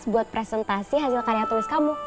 buat presentasi hasil karya tulis kamu